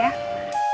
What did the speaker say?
ya kita berdua